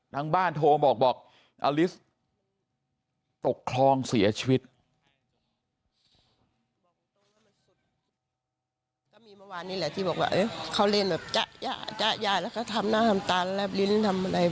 ทางบ้านโทรบอกบอกอลิสตกคลองเสียชีวิต